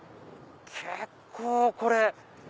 結構これ。